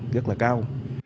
rất là cao